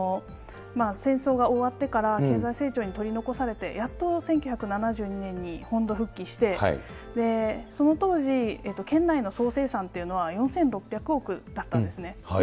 戦争が終わってから、経済成長に取り残されて、やっと１９７２年に本土復帰して、その当時、県内の総生産というのは４６００億だったんですね。